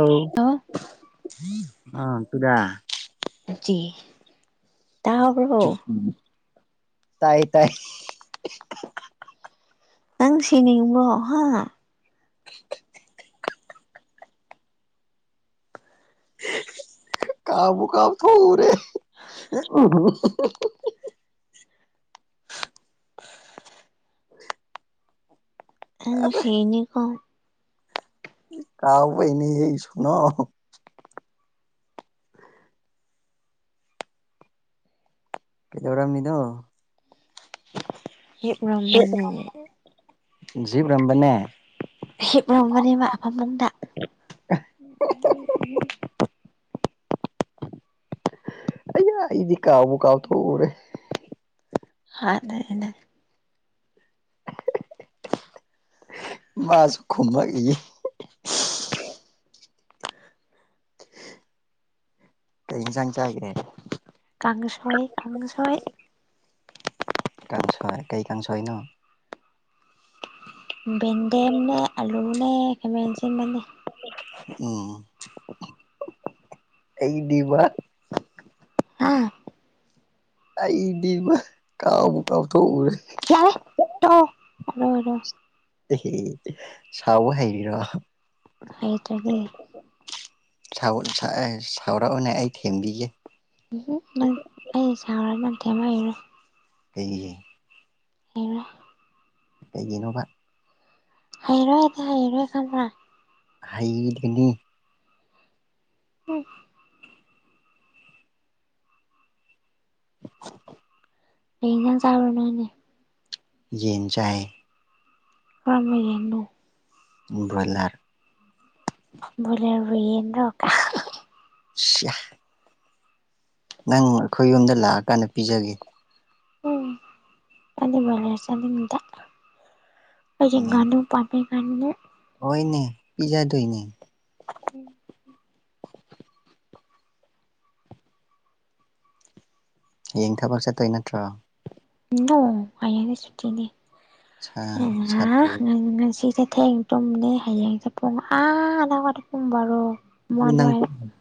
ꯑꯧ ꯍꯜꯂꯣ ꯑꯥ ꯇꯨꯗꯦ ꯆꯤ ꯇꯥꯎ [unintelligible] ꯇꯥꯏꯌꯦ ꯇꯥꯏ ꯅꯪ ꯁꯤꯅꯤꯡꯕꯣ ꯍꯥ [inaudible] ꯀꯥꯎꯕꯨ ꯀꯥꯎꯊꫭꯛ ꯑꯨꯔꯦ [inaudible] ꯑꯩ ꯅꯨꯡꯁꯤꯔꯤꯅꯤ ꯀꫭ ꯀꯥꯎꯕꯅꯤꯍꯦ ꯁꫭꯅꯣ ꯀꯩꯗꯧꯔꯝꯃꯤꯅꫭ ꯌꯦꯛꯔꯝꯕꯅꯦ ꯖꯤꯞ ꯔꯝꯕꯅꯦ ꯍꯤꯞꯔꯝꯕꯅꯦꯕ ꯐꯃꯨꯡꯗ ꯎꯝ ꯎꯝ ꯎꯝ ꯑꯌꯥ ꯑꯩꯗꯤ ꯀꯥꯎꯕꯨ ꯀꯥꯎꯊꯣꯛꯎꯔꯦ ꯍꯥꯟꯅꯥꯅ ꯃꯥꯁꯨ ꯈꯨꯃꯛꯏꯌꯦ ꯀꯩꯩ ꯑꯦꯟꯖꯥꯡ ꯆꯥꯒꯦ ꯀꯥꯡꯁꫭꯏ ꯀꯥꯡꯁꫭꯏ ꯀꯥꯡꯁꯣꯏ ꯀꯩ ꯀꯥꯡꯁꯣꯏꯅꯣ ꯕꯦꯟꯗꯦꯝꯅꯦ ꯑꯂꯨꯅꯦ ꯈꯦꯃꯦꯟꯁꯤꯟꯕꯅꯦ ꯎꯝ ꯑꯩꯗꯤꯕ [inaudible] ꯑꯩꯗꯤꯕ ꯀꯥꯎꯕꯨ ꯀꯥꯎꯊꯣꯛ ꯎꯔꯦ ꯌꯥꯔꯦ ꯍꯜꯂꫭ ꯍꯜꯂꯣ ꯑꯦꯍꯦ ꯁꯧꯕ ꯍꯩꯔꯤꯔ‌ꯣ ꯍꯩꯇꯔꯗꯤ ꯁꯥꯎꯕ ꯑ ꯁꯥꯎꯔꯛꯑꯣꯅꯦ ꯑꯩ ꯊꯦꯝꯕꯤꯒꯦ ꯎꯝꯍꯝ ꯅꯪ ꯑꯩ ꯁꯧꯔꯒ ꯊꯦꯝ ꯍꯩꯔꯣꯏ ꯀꯩꯒꯤ ꯍꯩꯕ꯭ꯔꯥ ꯀꯩꯒꯤꯅꯣꯕ ꯍꯩꯔꯣꯏ ꯍꯥꯏꯗꯤ ꯍꯩꯔꯣꯏ ꯈꯪꯕ꯭ꯔꯥ ꯍꯩꯔꯤꯗꯨꯅꯤ ꯎꯝ꯫ [inaudible] ꯀꯩ ꯑꯦꯟꯖꯥꯡ ꯆꯥꯔꯕꯅꯣꯅꯦ ꯌꯦꯟ ꯆꯥꯏ ꯀꯔꯝꯕꯥ ꯌꯦꯡꯅꯣ ꯕ꯭ꯔꯣꯏꯂꯔ ꯕꯔꯣꯏꯂꯔ ꯕꯨ ꯌꯦꯟ ꯂꯣ ꯁꯤꯌꯥ ꯅꯪ ꯑꯩꯈꯣꯏ ꯌꯨꯝꯗ ꯂꯥꯛꯑꯀꯥꯟꯗ ꯄꯤꯖꯒꯦ ꯎꯝ ꯑꯩꯗꯤ ꯕꯔꯣꯏꯂꯥꯔ ꯆꯥꯅꯤꯡꯗꯦ ꯑꯩꯗꯤ ꯎꯝ ꯉꯅꯨ ꯄꯝꯃꯦ ꯉꯥꯅꯨ ꯍꯣꯏꯅꯦ ꯄꯤꯖꯥꯗꯣꯏꯅꯦ [unintelligible] ꯍꯌꯦꯡ ꯊꯕꯛ ꯆꯠꯇꯣꯏ ꯅꯠꯇ꯭ꯔꯣ ꯅꯣ ꯍꯌꯦꯡꯗꯤ ꯁꯨꯇꯤꯅꯦ ꯁꯥ ꯁꯥꯇ꯭ꯔꯗꯤ [unintelligible] ꯉꯁꯤꯗꯤ ꯊꯦꯡ ꯇꯨꯝꯅꯤ ꯍꯌꯦꯡꯁꯨ ꯄꯨꯡ ꯑꯥ [unintelligible] ꯄꯨꯡ ꯕꯥꯔꯣ ꯑꯃ ꯅꯪ ꯑꯗꯨꯋꯥꯏꯗ [inaudible]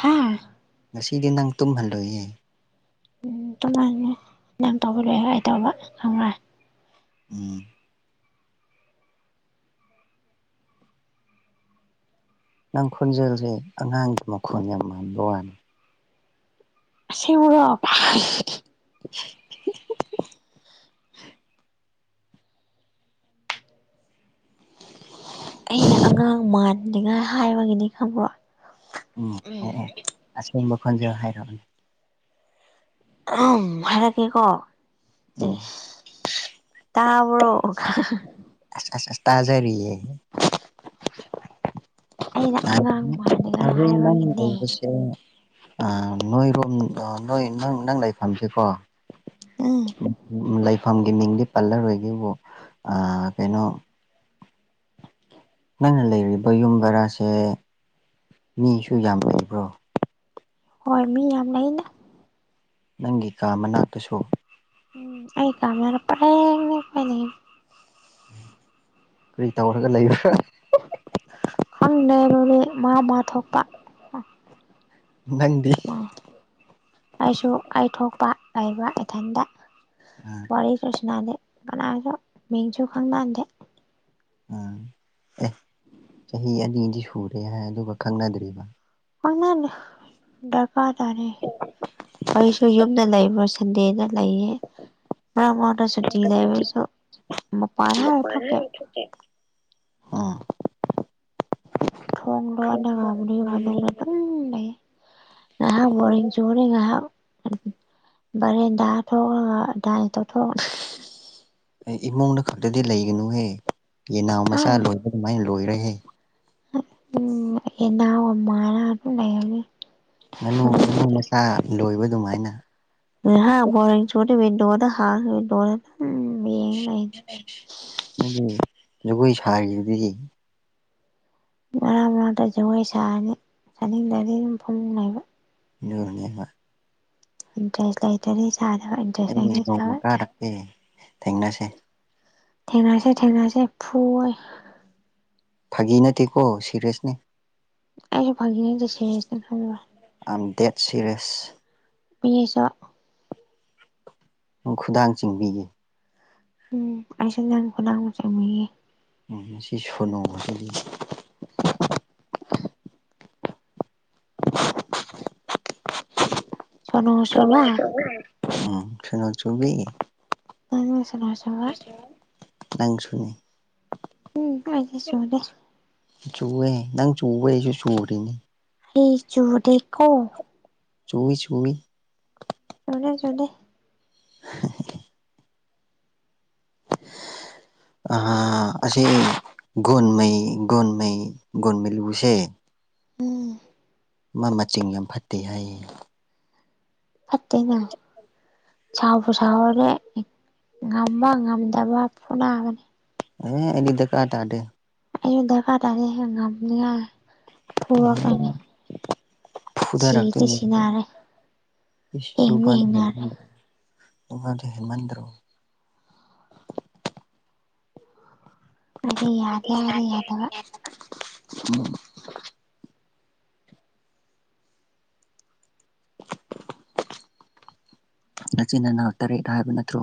ꯍꯥꯥ ꯉꯥꯁꯤꯗꯤ ꯅꯪ ꯇꯨꯝꯍꯜꯂꯣꯏꯌꯦ ꯎꯝ ꯇꯨꯝꯍꯟꯅꯨ ꯅꯪ ꯇꯧꯕ ꯂꯣꯏ ꯑꯩ ꯇꯧꯕ ꯈꯪꯕꯔ ꯎꯝ ꯅꯪ ꯈꯣꯟꯖꯦꯜꯁꯦ ꯑꯉꯥꯡꯒꯤ ꯃꯈꯣꯟ ꯌꯥꯝ ꯃꯥꯟꯕ ꯋꯥꯅꯤ ꯑꯁꯦꯡꯕꯔꯣ [unintelligible] [unintelligible] ꯑꯩꯅ ꯑꯉꯥꯡ ꯃꯥꯟꯅꯤꯡꯉꯥꯏ ꯍꯥꯏꯕꯒꯤꯅꯤ ꯈꯪꯕ꯭ꯔꯣ ꯎꯝ ꯑꯦ ꯑꯦ ꯑꯁꯦꯡꯕ ꯈꯣꯟꯖꯦꯜ ꯍꯥꯏꯔꯣ ꯎ ꯍꯥꯏꯔꯛꯀꯦꯀꯣ ꯎꯝ ꯆꯦꯁ ꯇꯥꯕꯔꯣ ꯑꯥꯁ ꯑꯁ ꯑꯁ ꯇꯥꯖꯔꯤꯌꯦ ꯑꯩꯅ ꯑꯉꯥꯡ ꯃꯥꯟꯅꯤꯡꯉꯥꯏ ꯍꯥꯏꯕꯒꯤꯅꯦ [unintelligible] ꯑ ꯅꯣꯏꯔꯨꯝꯗꯣ ꯅꯣꯏ ꯅꯪ ꯅꯪ ꯂꯥꯏꯐꯝꯁꯤꯀꯣ [unintelligible] ꯂꯩꯐꯝꯒꯤ ꯃꯤꯡꯗꯤ ꯄꯜꯂꯔꯣꯏꯒꯦꯕꯨ ꯑꯥ ꯀꯩꯅꯣ ꯅꯪꯅ ꯂꯩꯔꯤꯕ ꯌꯨꯝ ꯕꯔꯥꯁꯦ ꯃꯤꯁꯨ ꯌꯥꯝ ꯂꯩꯕ꯭ꯔꯣ ꯍꯣꯏ ꯃꯤ ꯌꯥꯝ ꯂꯩꯩꯅ ꯅꯪꯒꯤ ꯀꯥ ꯃꯅꯥꯛꯇꯁꯨ ꯎꯝ ꯑꯩ [unintelligible] ꯄ꯭ꯔꯦꯡ ꯂꯩꯄꯅꯤ ꯀ꯭ꯔꯤ ꯇꯧꯔꯒ ꯂꯩꯕ꯭ꯔꯥ ꯈꯪꯗꯦ ꯗꯨꯗꯤ ꯃꯥ ꯃꯥ ꯊꯣꯛꯄ ꯅꯪꯗꯤ ꯑꯩꯁꯨ ꯑꯩ ꯊꯣꯛꯄ ꯂꯩꯕ ꯏꯊꯟꯗ ꯑꯥ ꯋꯥꯔꯤꯁꯨ ꯁꯟꯅꯗꯦ ꯀꯅꯥꯁꯨ ꯃꯤꯡꯁꯨ ꯈꯪꯅꯗꯦ ꯑꯥ ꯑꯦ ꯆꯍꯤ ꯑꯅꯤꯗꯤ ꯁꯨꯔꯦ ꯍꯥꯏ ꯑꯗꯨꯒ ꯈꯪꯅꯗ꯭ꯔꯤꯕ ꯈꯪꯅꯥꯗꯦ ꯗꯔꯀꯥꯔ ꯇꯥꯔꯦ ꯑꯩꯁꯨ ꯌꯨꯝꯗ ꯂꯩꯕꯔꯣꯁꯦ ꯗꯦꯗ ꯂꯩꯌꯦ ꯃꯔ꯭ꯛ ꯃꯔꯀꯇ ꯁꯨꯇꯤ ꯂꯩꯕꯁꯨ ꯃꯄꯥꯥꯟ [unintelligible] ꯎꯝ ꯊꯣꯡ ꯂꯣꯜꯂꯒ [unintelligible] ꯑꯗꯨꯝ ꯂꯩ ꯉꯍꯛ ꯕꯣꯔꯤꯡ ꯆꯨꯔꯦ ꯉꯍꯛ ꯚꯔꯦꯟꯗ ꯊꯣꯛꯑꯒ ꯗꯥꯟꯁ ꯇꯧꯊꯣꯛ ꯏꯃꯨꯡꯗ ꯈꯛꯇꯗꯤ ꯂꯩꯒꯅꯨꯍꯦ ꯌꯦꯅꯥꯎ ꯍꯥ ꯃꯆꯥ ꯂꯣꯏꯕ ꯗꯨꯃꯥꯏꯟ ꯂꯣꯏꯔꯦꯍꯦ ꯎꯝ ꯍꯦꯟꯅꯥꯎ ꯑꯃꯥꯏꯅ ꯑꯗꯨꯝ ꯂꯩꯔꯥꯅꯤ ꯉꯥꯅꯨ ꯈꯨꯨꯅꯨ ꯃꯆꯥ ꯂꯣꯏꯕ ꯑꯗꯨꯃꯥꯏꯅ ꯍꯣꯔꯦꯡꯋꯤꯟꯣꯗ ꯍꯥ [inaudible] ꯖꯒꯣꯏ ꯁꯔꯤꯗꯨꯗ ꯉꯥꯡ ꯃꯔꯛꯇ ꯖꯒꯣꯏ ꯁꯥꯔꯅꯤ ꯆꯥꯅꯤꯡꯗꯗꯤ ꯑꯗꯨꯝ ꯐꯝ ꯂꯩꯕ ꯨꯔꯅꯤ [inaudible] ꯏꯟꯇꯔꯦꯁ ꯑꯥꯏꯇꯥꯔꯗꯤ ꯆ [inaudible] ꯑꯩ ꯅꯣꯡꯃ ꯀꯥꯔꯛꯀꯦ ꯊꯦꯡꯅꯁꯦ ꯊꯦꯡꯅꯔꯁꯦ ꯊꯦꯡꯅꯔꯁꯦ ꯐꯨꯋꯦ ꯐꯥꯒꯤ ꯅꯠꯇꯦꯀꯣ ꯁꯦꯔꯤꯌꯁꯅꯦ ꯑꯩꯁꯨ ꯐꯪꯒꯤ ꯅꯠꯇꯦ ꯁꯦꯔꯤꯁꯅꯦ ꯈꯜꯂꯣ ꯑꯦꯝ ꯗꯦꯠ ꯁꯔꯤꯌꯥꯁ [inaudible] ꯄꯁꯨ [inaudible] ꯈꯨꯗꯥꯡ ꯆꯤꯡꯕꯤꯒꯦ ꯎꯝ ꯑꯩꯁꯨ ꯅꯪ ꯈꯨꯗꯥꯡ ꯆꯤꯡꯕꯤꯒꯦ ꯎꯝ ꯃꯁꯤ ꯁꯣꯅꯣꯁꯤꯗꯤ ꯁꯣꯅꯣ ꯆꯨꯕ ꯁꯣꯅꯣ ꯆꯨꯕꯤ ꯅꯪꯅ ꯁꯣꯅꯣ ꯆꯨꯕ ꯅꯪꯁꯨꯅꯦ ꯎꯝ ꯁꯨ꯭ꯋꯥꯏꯗ ꯆꯨꯗ‌ꯦ ꯆꯨꯑꯦ ꯅꯪ ꯆꯨꯕꯩ ꯑꯩꯁꯨ ꯆꯨꯔꯤꯅꯦ ꯑꯩ ꯆꯨꯗꯦꯀꯣ ꯆꯨꯏ ꯆꯨꯏ ꯆꯨꯗ‌ꯦ-ꯆꯨꯗ‌ꯦ [inaudible] ꯑꯥ ꯑꯁꯦ ꯒꯣꯟꯃꯩ ꯒꯣꯟꯃꯩ ꯒꯣꯟꯃꯩꯂꯨ ꯁꯦ [inaudible] ꯎꯝ ꯃꯥ ꯃꯆꯤꯡ ꯌꯝ ꯐꯠꯇꯦ ꯍꯥꯏꯌꯦ ꯐꯠꯇꯦꯅ ꯁꯥꯎꯕꯨ ꯁꯥꯎꯔꯗꯤ ꯉꯝꯕ ꯉꯝꯗꯕ ꯐꯨꯅꯥꯒꯅꯤ ꯑꯦ ꯑꯩꯗꯤ ꯗꯥꯀꯥꯔ ꯇꯥꯗꯦ ꯑꯩꯁꯨ ꯗꯔꯀꯥꯔ ꯇꯥꯗꯤ ꯍꯦ ꯉꯝꯅꯤꯉꯥꯏ ꯐꯨꯔꯛꯀꯅꯤ ꯁꯤꯗꯤ ꯐꯨꯗꯔꯛꯇꯨꯢꯅꯦ ꯁꯤꯅꯔꯦ ꯍꯤꯡꯗꯤ ꯍꯤꯡꯅꯔꯦ [inaudible] ꯑꯗꯨꯗꯤ ꯍꯦꯟꯃꯟꯗ꯭ꯔꯣ ꯑꯩꯗꯤ ꯌꯥꯗꯦ ꯍꯥꯏꯔꯗꯤ ꯌꯥꯗꯦ ꯌꯥꯗꯕ ꯎꯝ ꯅꯆꯤꯟ ꯅꯅꯥꯎ ꯇꯔꯦꯠ ꯍꯥꯏꯕ ꯅꯠꯇ꯭ꯔꯣ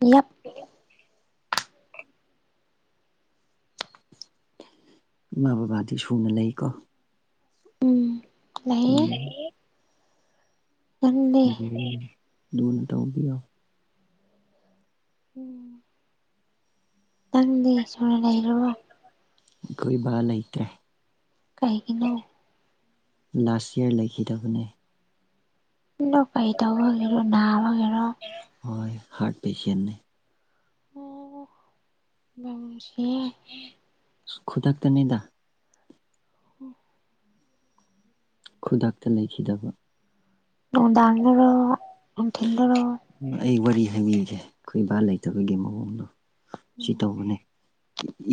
ꯌꯦꯠ [inaudible] ꯏꯃꯥ ꯕꯕꯥꯗꯤ ꯁꯨꯅ ꯂꯩꯔꯤꯀꯣ ꯎꯝ ꯂꯩꯌꯦ ꯑꯝ ꯅꯪꯗꯤ ꯑꯗꯨꯗꯤ ꯂꯨꯅ ꯇꯧꯕꯤꯌꯣ ꯎꯝ ꯅꯪꯗꯤ ꯁꯨꯅ ꯂꯩꯔꯤꯕꯣ ꯈꯣꯢ ꯕꯥ ꯂꯩꯇꯦ ꯀꯩꯒꯤꯅꯣ ꯂꯥꯁ ꯏꯌꯥꯔ ꯂꯩꯈꯤꯗꯕꯅꯦ ꯑꯗꯣ ꯀꯩ ꯇꯧꯕꯒꯤꯔꯣ ꯅꯥꯕꯒꯤꯔꯣ ꯍꯣꯏ ꯍꯥꯔꯠ ꯄꯦꯁꯦꯟꯅꯦ ꯑꯣ ꯈꯨꯗꯥꯛꯇꯅꯤꯗ ꯑꯣ ꯈꯨꯗꯛꯇ ꯂꯩꯈꯤꯗꯕ ꯅꯨꯡꯗꯥꯔꯣ ꯅꯨꯡꯊꯤꯜꯗꯥꯔꯣ ꯎꯝ ꯑꯩ ꯋꯥꯔꯤ ꯍꯥꯏꯕꯤꯒꯦ ꯑꯩꯈꯣꯏ ꯕꯥ ꯂꯩꯇꯕꯒꯤ ꯃꯑꯣꯡꯗꯣ ꯁꯤ ꯎꯝ ꯇꯧꯕꯅꯦ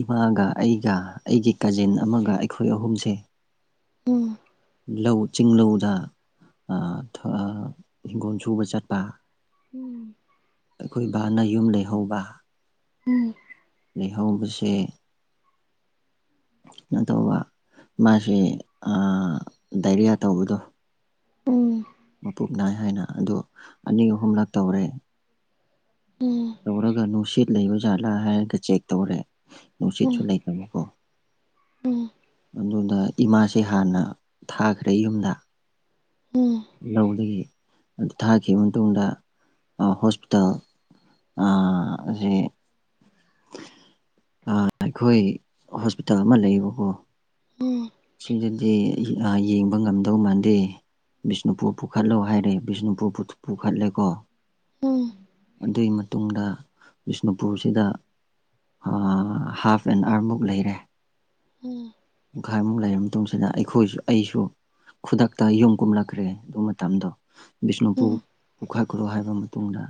ꯏꯃꯥꯒ ꯑꯩꯒ ꯑꯩꯒꯤ ꯀꯥꯖꯤꯟ ꯑꯃꯒ ꯑꯩꯈꯣꯏ ꯑꯍꯨꯝꯁꯦ ꯎꯝ ꯂꯧ ꯆꯤꯡ ꯂꯧꯗ ꯏꯤꯡꯒꯣꯜ ꯁꯨꯕ ꯆꯠꯄ ꯎꯝ ꯑꯩꯈꯣꯏ ꯕꯥꯅ ꯌꯨꯝ ꯂꯩꯍꯧꯕ ꯎꯝ ꯂꯩꯍꯧꯕꯁꯦ ꯅꯇꯧꯕ ꯃꯥꯁꯤ ꯑꯥ ꯗꯥꯏꯔꯤꯌꯥ ꯇꯧꯕꯗꯣ ꯎꯝ ꯃꯄꯨꯞ ꯅꯥꯏ ꯍꯥꯏꯅ ꯑꯗꯣ ꯑꯅꯤ ꯑꯍꯨꯝꯂꯛ ꯇꯧꯔꯦ ꯎꯝ ꯇꯧꯔꯒ ꯅꯨꯡꯁꯤꯠ ꯂꯩꯕ ꯖꯥꯠꯂꯥ ꯍꯥꯏꯔꯒ ꯆꯦꯛ ꯇꯧꯔꯦ ꯎꯝ ꯅꯨꯡꯁꯤꯠꯁꯨ ꯂꯩꯇꯕꯀꯣ ꯎꯝ ꯑꯗꯨꯗ ꯏꯃꯥꯁꯦ ꯍꯥꯟꯅ ꯊꯥꯈ꯭ꯔꯦ ꯌꯨꯝꯗ ꯎꯝ ꯂꯧꯗꯒꯤ ꯑꯗꯨ ꯊꯥꯈꯤꯕ ꯃꯇꯨꯡꯗ ꯍꯣꯁꯄꯤꯇꯥꯜ ꯑ ꯑꯁꯤ ꯑꯥ ꯑꯩꯈꯣꯏ ꯍꯣꯁꯄꯤꯇꯥꯜ ꯑꯃ ꯂꯩꯌꯦꯕꯀꯣ ꯈꯪꯉꯦ ꯁꯤꯗꯗꯤ ꯌꯦꯡꯕ ꯉꯝꯗꯧ ꯃꯥꯟꯗꯦ ꯕꯤꯁꯅꯨꯄꯨꯔ ꯄꯨꯈꯠꯂꯣ ꯍꯥꯏꯔꯦ ꯕꯤꯁꯅꯨꯄꯨꯔ ꯄꯨꯈꯠꯂꯦꯀꯣ ꯑꯗꯨꯒꯤ ꯃꯇꯨꯡꯗ ꯕꯤꯁꯅꯨꯄꯨꯔꯁꯤꯗ ꯑꯥ ꯍꯥꯐ ꯑꯦꯟ ꯑꯋꯥꯔꯃꯨꯛ ꯂꯩꯔꯦ ꯎꯝ ꯄꯨꯡꯈꯥꯏꯃꯨꯛ ꯂꯩꯔꯕ ꯃꯇꯨꯡꯁꯤꯗ ꯑꯩꯈꯣꯏꯁꯨ ꯑꯩꯁꯨ ꯈꯨꯗꯛꯇ ꯌꯨꯝ ꯀꯨꯝꯂꯛꯈ꯭ꯔꯦ ꯑꯗꯨ ꯃꯇꯝꯗꯣ ꯕꯤꯁꯅꯨꯄꯨꯔ ꯄꯨꯈꯥꯏꯈꯨꯅꯧ ꯍꯥꯏꯕ ꯃꯇꯨꯡꯗ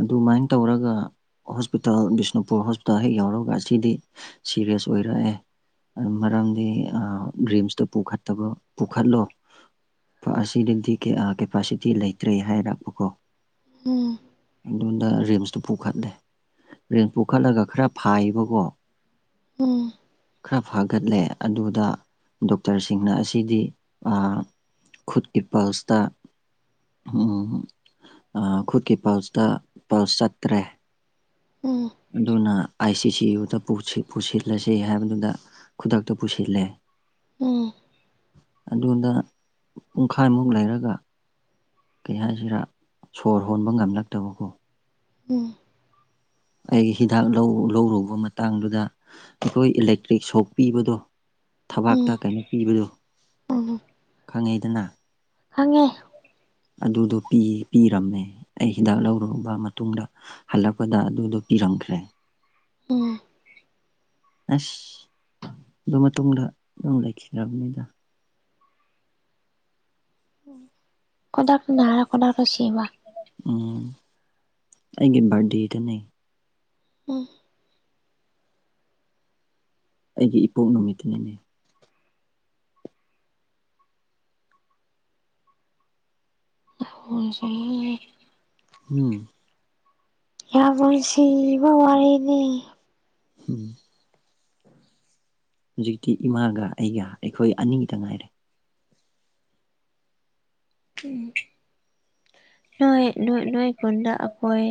ꯑꯗꯨꯃꯥꯏ ꯇꯧꯔꯒ ꯍꯣꯁꯄꯤꯇꯥꯜ ꯕꯤꯁꯅꯨꯄꯨꯔ ꯍꯣꯁꯄꯤꯇꯥꯜ ꯍꯦꯛ ꯌꯥꯎꯔꯒ ꯑꯁꯤꯗꯤ ꯁꯤꯦꯔꯤꯌꯥꯁ ꯑꯣꯏꯔꯛꯑꯦ ꯃꯔꯝꯗꯤ ꯔꯤꯝꯁꯇ ꯄꯨꯈꯠꯇꯕ ꯄꯨꯈꯠꯂꯣ ꯄꯥ ꯑꯁꯤ ꯅꯪꯗꯤꯀꯦ ꯀꯦꯄꯥꯁꯤꯇꯤ ꯂꯩꯇ꯭ꯔꯦ ꯍꯥꯏꯔꯛꯄ ꯀꯣ ꯎꯝ ꯑꯗꯨꯣꯟꯗ ꯔꯤꯦꯝꯁꯇꯨ ꯄꯨꯈꯠꯂꯦ ꯔꯤꯦꯝꯁ ꯄꯨꯈꯠꯂꯒ ꯈꯔ ꯐꯥꯏꯕꯀꯣ ꯈꯔꯥ ꯐꯛ ꯍꯒꯠꯂꯦ ꯑꯗꯨꯗ ꯗꯣꯛꯇꯔꯁꯤꯡꯅ ꯑꯁꯤꯗꯤ ꯈꯨꯠꯀꯤ ꯄꯜꯁꯇ ꯎꯝ ꯈꯨꯠꯀꯤ ꯄꯜꯁ ꯇꯥ ꯄꯥꯎ ꯆꯠꯇꯔꯦ ꯎꯝ ꯑꯗꯨꯅ ꯑꯥꯏ ꯁꯤ ꯁꯤ ꯌꯨꯗ ꯄꯨꯁꯤ-ꯄꯨꯁꯤꯜꯂꯁ‌ꯦ ꯍꯥꯏꯕꯗꯨꯗ ꯈꯨꯗꯛꯇ ꯄꯨꯁꯤꯜꯂꯦ ꯎꯝ ꯑꯗꯨꯗ ꯄꯨꯡꯈꯥꯏꯃꯨꯛ ꯂꯩꯔꯒ ꯀꯩ ꯍꯥꯏꯖꯤꯔꯥ ꯁꯣꯔ ꯍꯣꯟꯕ ꯉꯝꯂꯛꯇꯕꯀꯣ ꯎꯝ ꯑꯩꯒꯤ ꯍꯤꯗꯥꯛ ꯂꯧꯔꯨꯕ ꯃꯇꯥꯡꯗꯨꯗ ꯑꯩꯈꯣꯏ ꯏꯂꯦꯛꯇ꯭ꯔꯤꯛ ꯁꯣꯛ ꯄꯤꯕꯗꯣ ꯊꯕꯥꯛꯇ ꯀꯩꯅꯣ ꯄꯤꯕꯗꯨ ꯈꯪꯉꯦꯗꯅ ꯈꯪꯉꯦ ꯑꯗꯨꯗꯣ ꯄꯤꯔꯝꯃꯦ ꯑꯩ ꯍꯤꯗꯥꯛ ꯂꯧꯔꯨꯔꯕ ꯃꯇꯨꯡꯗ ꯍꯜꯂꯛꯄꯗ ꯑꯗꯨꯗꯣ ꯄꯤꯔꯝꯈ꯭ꯔꯦ ꯎꯝ ꯑꯁ ꯑꯗꯨ ꯃꯇꯨꯡꯗ ꯑꯗꯨꯝ ꯂꯩꯈꯤꯗ꯭ꯔꯕꯅꯤꯗ ꯀꯣꯗꯥꯛ ꯅꯅꯥꯔ ꯀꯣꯗꯥꯛ ꯀ ꯁꯤꯕ ꯎꯝ ꯑꯩꯒꯤ ꯕꯥ‌꯭ꯔꯠꯗ‌ꯦꯗꯅꯦ ꯎꯝ ꯑꯩꯒꯤ ꯏꯄꯣꯛ ꯅꯨꯃꯤꯠꯇꯒꯤꯅꯦ [unintelligible] ꯎꯝ ꯌꯥꯝ ꯅꯨꯡꯁꯤꯕ ꯋꯥꯔꯤꯅꯤ ꯎꯝ ꯍꯧꯖꯤꯛꯇꯤ ꯏꯃꯥꯒ ꯑꯩꯒ ꯑꯩꯈꯣꯏ ꯑꯅꯤꯇ ꯉꯥꯏꯔꯦ ꯑꯝ ꯅꯣꯏꯣꯏ ꯅꯣꯏ ꯅꯣꯏ ꯀꯨꯟꯗꯥ ꯑꯀꯣꯏ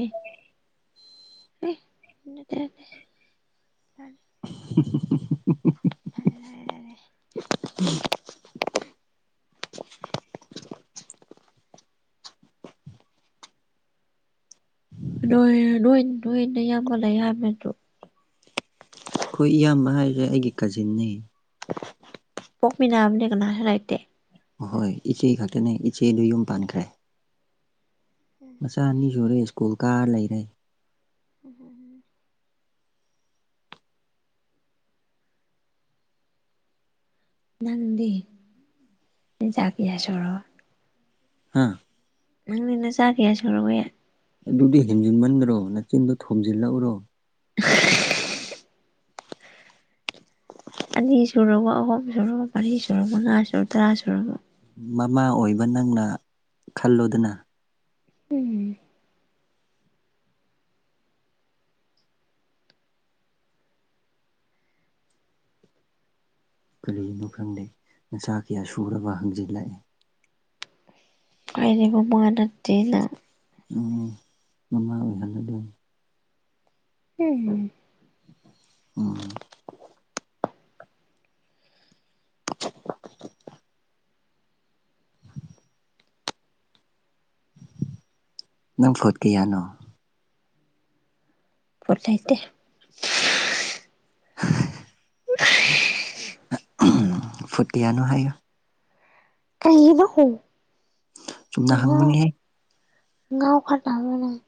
ꯎꯝ ꯅꯠꯇꯦ ꯅꯠꯇꯦ [unintelligible] [unintelligible] [unintelligible] [unintelligible] ꯅꯣꯏ ꯅꯣꯏ ꯅꯣꯏ ꯑꯌꯥꯝꯕ ꯂꯩ ꯍꯥꯕꯅꯇꯔ‌ꯣ ꯑꯩꯈꯣꯏ ꯏꯌꯥꯝꯕ ꯍꯥꯏꯁꯦ ꯑꯩꯒꯤ ꯀꯖꯤꯟꯅꯦ ꯄꯣꯛꯃꯤꯟꯅꯕꯅꯦ ꯀꯅꯥꯁꯨ ꯂꯩꯇꯦ ꯑꯍꯣꯏ ꯏꯆꯦ ꯈꯛꯇꯅꯦ ꯏꯆꯦꯗꯨ ꯌꯨꯝ ꯄꯥꯟꯈ꯭ꯔꯦ ꯎꯝ ꯃꯆꯥ ꯑꯅꯤ ꯁꯨꯔꯦ ꯁ꯭ꯀꯨꯜ ꯀꯥꯔ ꯂꯩꯔꯦ ꯎꯝ ꯍ ꯅꯪꯗꯤ ꯅꯆ ꯀꯌꯥ ꯁꯨꯔꯕ ꯍꯥ ꯅꯪꯗꯤ ꯅꯆꯥ ꯀꯌꯥ ꯁꯨꯔꯋ‌ꯦ ꯑꯗꯨꯗꯤ ꯍꯦꯟꯖꯤꯟꯃꯟꯗ꯭ꯔꯣ ꯅꯅꯥꯆꯤꯟꯗꯣ ꯊꯣꯝꯖꯤꯜꯂꯛꯎꯔꯣ [unintelligible] ꯑꯅꯤ ꯁꯨꯔꯕ‌ꯣ ꯑꯍꯨꯝ ꯁꯨꯔꯕ ꯃꯔꯤ ꯁꯨꯔꯕ ꯃꯉꯥ ꯁꯨꯔ ꯇꯔꯥ ꯁꯨꯔꯕ ꯃꯃꯥ ꯑꯣꯏꯕ ꯅꯪꯅ ꯈꯜꯂꯣꯗꯅ ꯎꯝ ꯀꯂꯤꯅꯣ ꯈꯪꯗꯦ ꯅꯆꯥ ꯀꯌꯥ ꯁꯨꯔꯕ ꯍꯪꯖꯤꯜꯂꯛꯏꯦ ꯑꯩꯗꯤ ꯃꯃꯥ ꯅꯠꯇꯦꯅ ꯑꯝ ꯃꯃꯥ ꯑ‌ꯣꯏꯍꯜ ꯂꯗ‌ꯣꯏ ꯅ‌ꯦ ꯑ‌ꯦ ꯎꯝ ꯅꯪ ꯐꯣꯠ ꯀꯌꯥꯅꯣ ꯐꯣꯠ ꯂꯩꯇ‌ꯦ ꯐꯨꯇ ꯀꯌꯥꯅ‌ꯣ ꯍꯥꯏꯌ‍ꯣ ꯀꯥꯏꯕ ꯍꯣ ꯆꯨꯝꯅ ꯍꯪꯕꯅꯦꯍꯦ [unintelligible]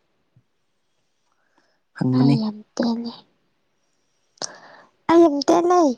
ꯑꯩ ꯍꯪꯕꯅꯦ ꯌꯥꯝ ꯇ‌ꯦꯜꯂ‌ꯦ ꯑꯩꯒꯤꯗ ꯂꯩ